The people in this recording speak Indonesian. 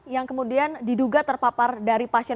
yang kemudian diduga terpapar dari pasien